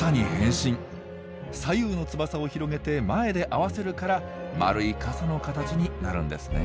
左右の翼を広げて前で合わせるから丸い傘の形になるんですね。